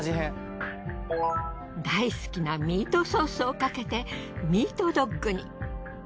大好きなミートソースをかけてミートドッグに。